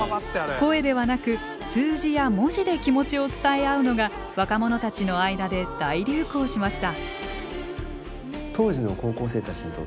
声ではなく数字や文字で気持ちを伝え合うのが若者たちの間で大流行しました。